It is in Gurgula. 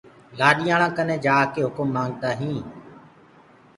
لآڏياݪآنٚ ڪني جآڪي هُڪم مآنگدآ هينٚ۔